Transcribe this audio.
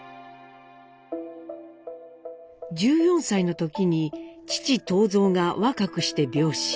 １４歳の時に父東蔵が若くして病死。